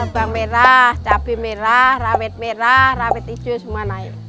bawang merah cabai merah rawit merah rawit hijau semua naik